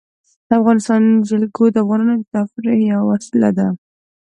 د افغانستان جلکو د افغانانو د تفریح یوه وسیله ده.